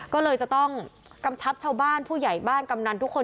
ก็เลยจะต้องกำชับชาวบ้านผู้ใหญ่บ้านกำนันทุกคน